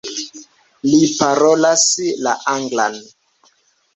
Li parolas la anglan.